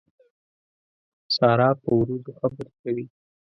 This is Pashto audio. سارا په وروځو خبرې کوي.